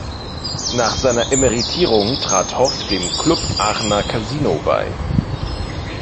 Nach seiner Emeritierung trat Hoff dem Club Aachener Casino bei.